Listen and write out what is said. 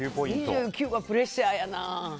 ２９がプレッシャーやな。